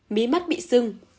mí mắt bị sưng